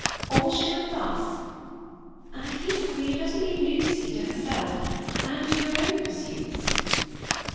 Or will she come with us?" "I think we had better leave Lucy to herself, and to her own pursuits."